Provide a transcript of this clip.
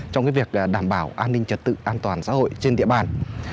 trong việc đảm bảo an ninh trật tự an toàn xã hội trên địa bàn